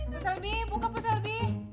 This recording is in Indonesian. pak selby buka pak selby